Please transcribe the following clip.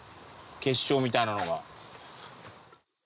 結晶みたいなのが。